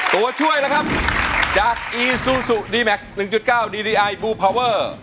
ตัวช่วยแล้วครับจากอีซูซูดีแม็กซ์หนึ่งจุดเก้าดีดีไอบูร์พาวเวอร์